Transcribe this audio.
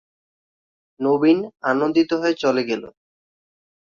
নবীন আনন্দিত হয়ে চলে গেল।